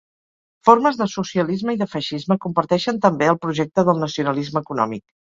Formes de socialisme i de feixisme comparteixen també el projecte del nacionalisme econòmic.